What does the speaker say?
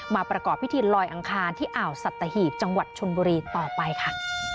ประกอบพิธีลอยอังคารที่อ่าวสัตหีบจังหวัดชนบุรีต่อไปค่ะ